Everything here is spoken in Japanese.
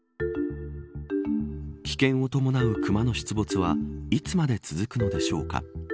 危険を伴う熊の出没はいつまで続くのでしょうか。